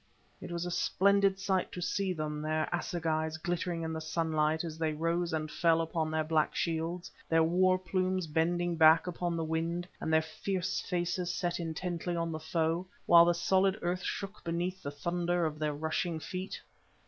It was a splendid sight to see them, their assegais glittering in the sunlight as they rose and fell above their black shields, their war plumes bending back upon the wind, and their fierce faces set intently on the foe, while the solid earth shook beneath the thunder of their rushing feet.